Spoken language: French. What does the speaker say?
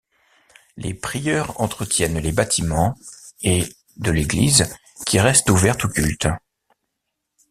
Les prieurs entretiennent les bâtiments et de l'église qui reste ouverte au culte.